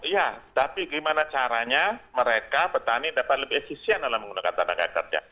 ya tapi gimana caranya mereka petani dapat lebih efisien dalam menggunakan tenaga kerja